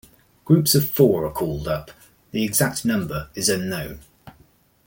Groups of four are called up; the exact number is unknown.